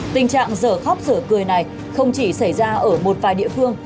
tình trạng rở khóc rở cười này không chỉ xảy ra ở một vài địa phương